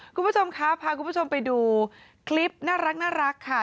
คุณผู้ชมคะพาคุณผู้ชมไปดูคลิปน่ารักค่ะ